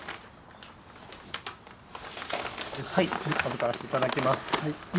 はい預からして頂きます。